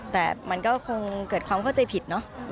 แต่มันก็คงเกิดความเข้าใจผิดเนอะ